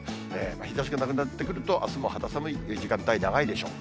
日ざしがなくなってくると、あすも肌寒い時間帯、長いでしょう。